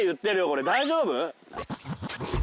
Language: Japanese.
これ大丈夫？